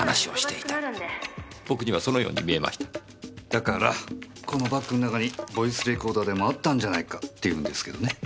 だからこのバッグの中にボイスレコーダーでもあったんじゃないかって言うんですけどね。